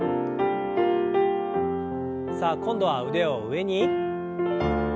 さあ今度は腕を上に。